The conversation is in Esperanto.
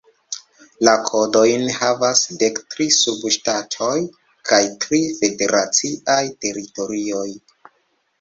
La kodojn havas dek tri subŝtatoj kaj tri federaciaj teritorioj.